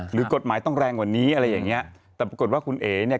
หรือกฎหมายต้องแรงกว่านี้อะไรอย่างเงี้ยแต่ปรากฏว่าคุณเอ๋เนี่ย